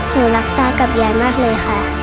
หนูรักตากับยายมากเลยค่ะ